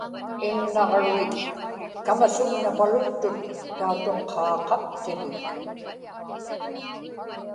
imnaġruit kamasugnapaluktut tautuqqaaqaptigik